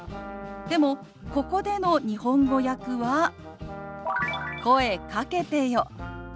でもここでの日本語訳は「声かけてよ」。